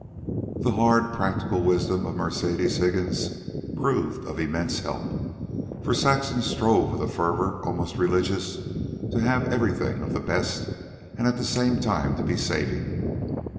The hard practical wisdom of Mercedes Higgins proved of immense help, for Saxon strove with a fervor almost religious to have everything of the best and at the same time to be saving.